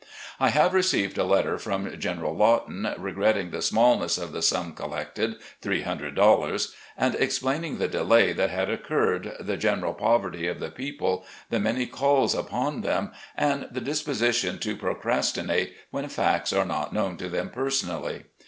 I have received a letter from General Lawton regretting the smallness of the sum collected, $300, and explaining the delay that had occurred, the general poverty of the people, the many calls upon them, and the disposition to procrastinate when facts are not known to them personally.